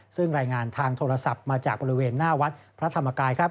ซึ่งรายงานทางโทรศัพท์มาจากบริเวณหน้าวัดพระธรรมกายครับ